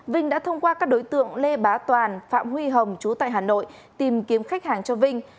vinh đã thông qua các đối tượng lê bá toàn phạm huy hồng chú tại hà nội tìm kiếm khách hàng cho vinh